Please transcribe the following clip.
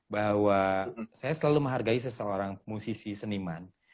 bahwa saya selalu menghargai seseorang musisi seniman